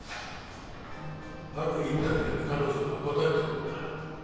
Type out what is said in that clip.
あるインタビューに彼女が答えてるんだ。